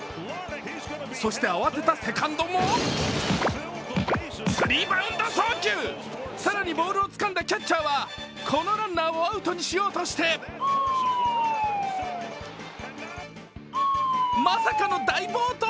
そして慌てたセカンドもスリーバウンド送球、更にボールをつかんだキャッチャーはこのランナーをアウトにしようとして、まさかの大暴投。